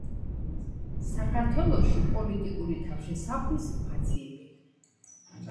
საქართველოში პოლიტიკური თავშესაფრის მაძიებელი.